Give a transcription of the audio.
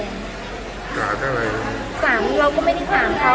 สารเราก็ไม่ได้ถามเขา